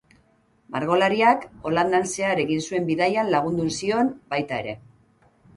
Margolariak Holandan zehar egin zuen bidaian lagundu zion baita ere.